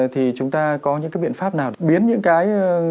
thì chúng ta có những cái biện pháp nào biến những cái